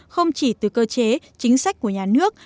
không chỉ từ cơ chế chính sách của nhà nước